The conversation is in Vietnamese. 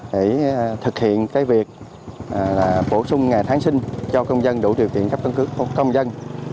để thực hiện cái việc là bổ sung ngày tháng sinh cho công dân đủ điều kiện cấp căn cứ công dân